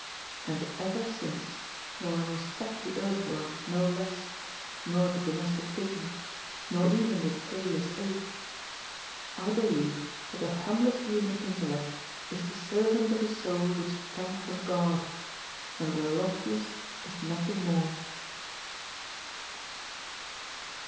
And ever since, though I respect the earthworm no less, nor the domestic pigeon, nor even the tailless ape, I 'Wieve that the humblest human intellect is the servant of a soul which sprang from God, and that the loftiest is noth ing more.